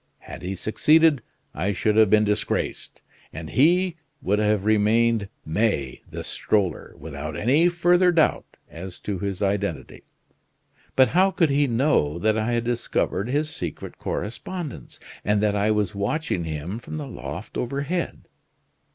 Had he succeeded, I should have been disgraced; and he would have remained May the stroller, without any further doubt as to his identity. But how could he know that I had discovered his secret correspondence, and that I was watching him from the loft overhead?